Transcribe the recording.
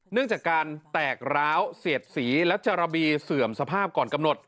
เนื่องจากการแตกร้าวเสียดสีและจาระบีเสื่อมสภาพก่อนกำหนด